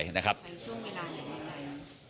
ใช้ช่วงเวลาอย่างไร